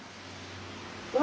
うわ。